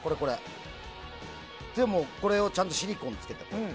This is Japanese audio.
でも、これにちゃんとシリコンつけたの。